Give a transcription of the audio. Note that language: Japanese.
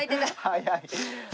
早い。